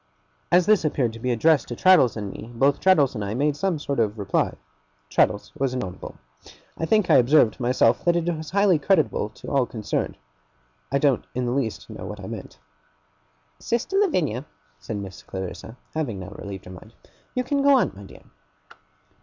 As this appeared to be addressed to Traddles and me, both Traddles and I made some sort of reply. Traddles was inaudible. I think I observed, myself, that it was highly creditable to all concerned. I don't in the least know what I meant. 'Sister Lavinia,' said Miss Clarissa, having now relieved her mind, 'you can go on, my dear.